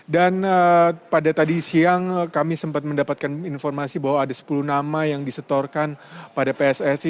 dan pada tadi siang kami sempat mendapatkan informasi bahwa ada sepuluh nama yang disetorkan pada pssi